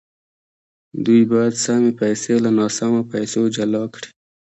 دوی باید سمې پیسې له ناسمو پیسو جلا کړي